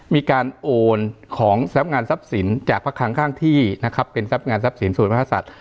มีการโอนของทรัพย์งานทรัพย์สินจากข้างที่นะครับเป็นทรัพย์งานทรัพย์สินโสดภาษัท